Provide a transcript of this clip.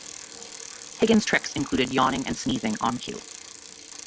Higgins's tricks included yawning and sneezing on cue.